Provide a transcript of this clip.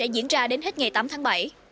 diễn ra đến hết ngày tám tháng bảy